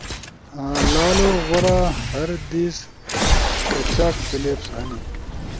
لالو غورا! ہر دیس کچاک کلپس ہنی؟